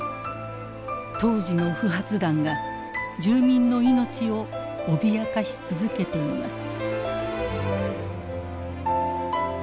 当時の不発弾が住民の命を脅かし続けています。